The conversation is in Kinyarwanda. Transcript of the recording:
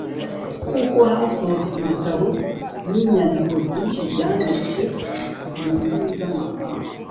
kuko hasohotse ibitabo n’inyandiko byinshi byanditse mu ndimi z’amahanga